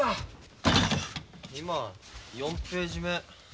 今４ページ目。